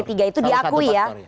itu diakui ya